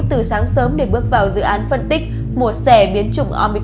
từ sáng sớm để bước vào dự án phân tích